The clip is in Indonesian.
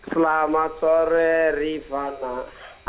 selamat sore rifana